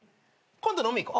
今度飲みに行こう。